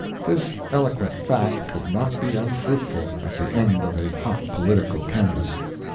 This eloquent fact could not be unfruitful at the end of a hot political canvass.